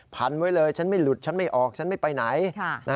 พันไว้เลยฉันไม่หลุดฉันไม่ออกฉันไม่ไปไหน